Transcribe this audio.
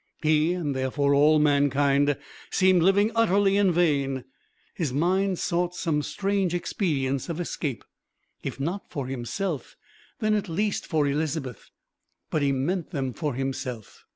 He, and therefore all mankind, seemed living utterly in vain. His mind sought some strange expedients of escape, if not for himself then at least for Elizabeth. But he meant them for himself.